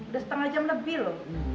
udah setengah jam lebih loh